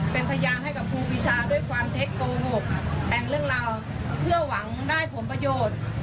เป็นพยานให้กับครูปีชาด้วยความเท็จโกหกแต่งเรื่องราวเพื่อหวังได้ผลประโยชน์